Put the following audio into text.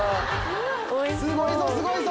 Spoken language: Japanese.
すごいぞすごいぞ！